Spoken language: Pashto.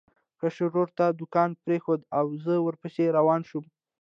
کشر ورور ته دوکان پرېښود او زه ورپسې روان شوم.